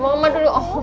sama oma dulu